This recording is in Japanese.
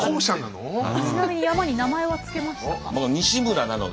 ちなみに山に名前は付けましたか？